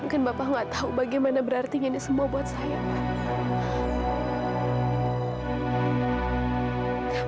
mungkin bapak nggak tahu bagaimana berarti ini semua buat saya pak